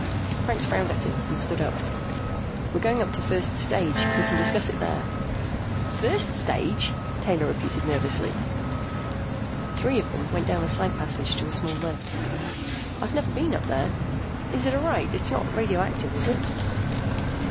Franks frowned at him and stood up. "We're going up to first stage. We can discuss it there." "First stage?" Taylor repeated nervously. The three of them went down a side passage to a small lift. "I've never been up there. Is it all right? It's not radioactive, is it?"